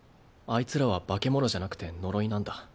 あいつらは化け物じゃなくて呪いなんだ。